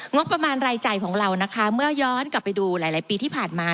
งบประมาณรายจ่ายของเรานะคะเมื่อย้อนกลับไปดูหลายปีที่ผ่านมา